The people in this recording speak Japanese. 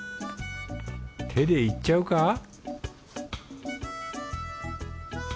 手でいっちゃうか？